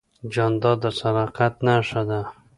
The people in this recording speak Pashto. جانداد د صداقت نښه ده.